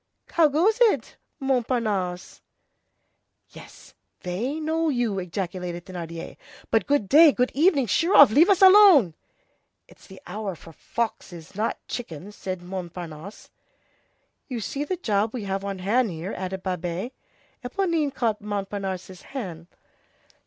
How goes it, Montparnasse?" "Yes, they know you!" ejaculated Thénardier. "But good day, good evening, sheer off! leave us alone!" "It's the hour for foxes, not for chickens," said Montparnasse. "You see the job we have on hand here," added Babet. Éponine caught Montparnasse's hand.